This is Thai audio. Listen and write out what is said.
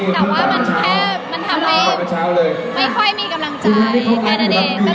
แต่ว่ามันแค่มันทำให้ไม่ค่อยมีกำลังใจแค่นั้นเอง